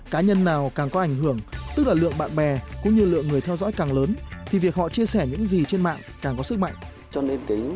cá nhân nào càng có ảnh hưởng tức là lượng bạn bè cũng như lượng người theo dõi càng lớn thì việc họ chia sẻ những gì trên mạng càng có sức mạnh